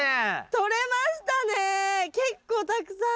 とれましたね結構たくさん。